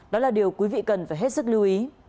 đó là điều quý vị cần phải hết sức lưu ý